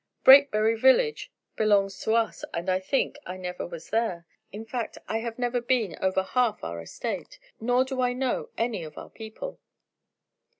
Brakebury village belongs to us, and I think I never was there. In fact, I have never been over half our estate, nor do I know any of our people."